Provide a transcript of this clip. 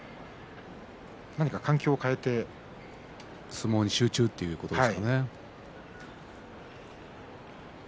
何か環境を変えて相撲に集中ということでしょうかね。